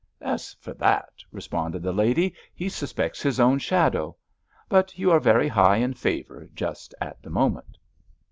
"As for that," responded the lady, "he suspects his own shadow. But you are very high in favour just at the moment."